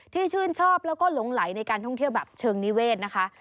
ชื่นชอบแล้วก็หลงไหลในการท่องเที่ยวแบบเชิงนิเวศนะคะ